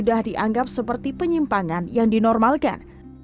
adalah penyimpangan yang dinormalkan